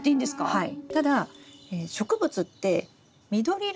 はい。